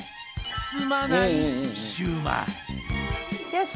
よし！